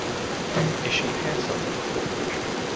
Is she handsome?